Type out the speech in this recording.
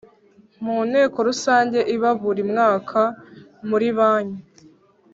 Mu Nteko Rusange iba buri mwaka muri banki